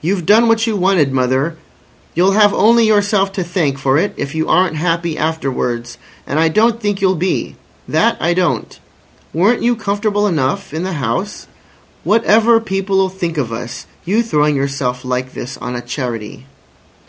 "You've done what you wanted, mother. You'll have only yourself to thank for it if you aren't happy afterwards. And I don't think you'll be. That I don't. Weren't you comfortable enough in the house? Whatever people'll think of us—you throwing yourself like this on a Charity?"